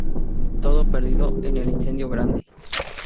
Todo perdido en el Incendio Grande.